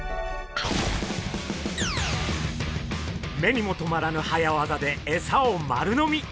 目にもとまらぬ早業でエサを丸飲み！